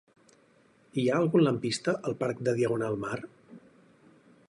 Hi ha algun lampista al parc de Diagonal Mar?